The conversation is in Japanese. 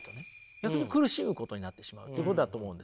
逆に苦しむことになってしまうということだと思うんです。